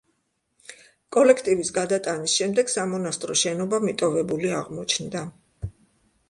კოლექტივის გადატანის შემდეგ სამონასტრო შენობა მიტოვებული აღმოჩნდა.